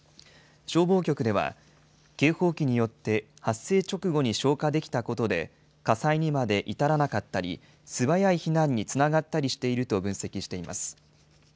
消防局では、警報器によって発生直後に消火できたことで、火災にまで至らなかったり、素早い避難につながったりしていると分析しています。